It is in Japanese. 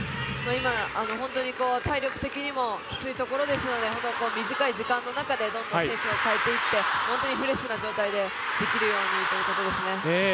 今、体力的にもきついところですので、短い時間の中でどんどん選手を代えていって、本当にフレッシュな状態でできるようにということですね。